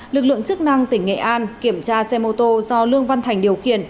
lực lượng chức năng tỉnh nghệ an kiểm tra xe mô tô do lương văn thành